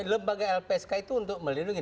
lembaga lpsk itu untuk melindungi